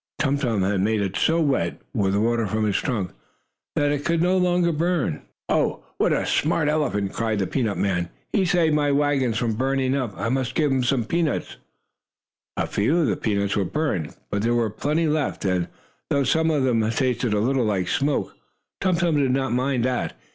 Tum Tum had made it so wet, with water from his trunk, that it could no longer burn. "Oh, what a smart, good elephant!" cried the peanut man. "He saved my wagon from burning up. I must give him some peanuts!" A few of the peanuts were burned, but there were plenty left, and, though some of them tasted a little like smoke, Tum Tum did not mind that.